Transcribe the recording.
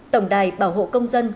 tổng đài bảo hộ công dân